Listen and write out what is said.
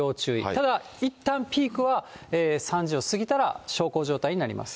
ただ、いったんピークは３時を過ぎたら小康状態になります。